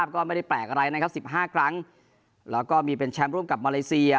ก็ไม่ได้แปลกอะไรนะครับ๑๕ครั้งแล้วก็มีเป็นแชมป์ร่วมกับมาเลเซีย